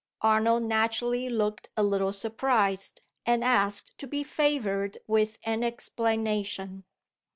Arnold naturally looked a little surprised, and asked to be favored with an explanation.